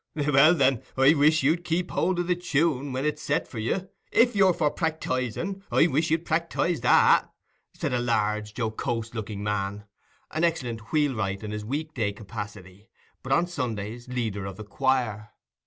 "Well, then, I wish you'd keep hold o' the tune, when it's set for you; if you're for prac_tis_ing, I wish you'd prac_tise_ that," said a large jocose looking man, an excellent wheelwright in his week day capacity, but on Sundays leader of the choir.